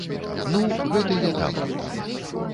Ну, гэты я дам ёй.